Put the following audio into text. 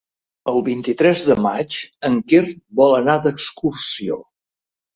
El vint-i-tres de maig en Quer vol anar d'excursió.